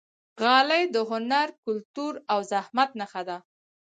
غالۍ د هنر، کلتور او زحمت نښه ده.